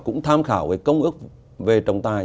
cũng tham khảo công ước về trọng tài